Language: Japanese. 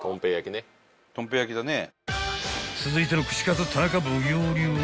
［続いての串カツ田中奉行流は］